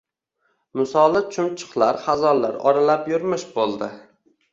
Misoli, chumchuqlar xazonlar oralab yurmish bo‘ldi.